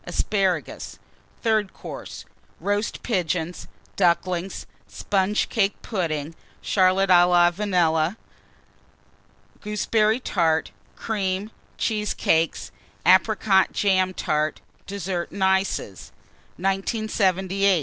Asparagus. THIRD COURSE. Roast Pigeons. Ducklings. Sponge cake Pudding. Charlotte à la Vanille. Gooseberry Tart. Cream. Cheesecakes. Apricot jam Tart. DESSERT AND ICES. 1978.